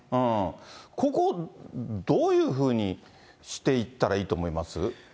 ここ、どういうふうにしていったらいいと思います？